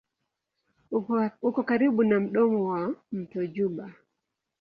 Uko karibu na mdomo wa mto Juba.